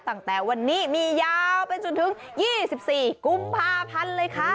ตั้งแต่วันนี้มียาวไปจนถึง๒๔กุมภาพันธ์เลยค่ะ